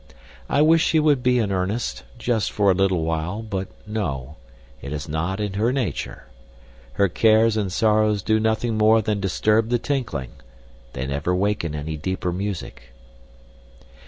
I wish she would be in earnest, just for a little while, but no; it is not in her nature. Her cares and sorrows do nothing more than disturb the tinkling; they never waken any deeper music.